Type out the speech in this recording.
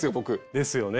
ですよね。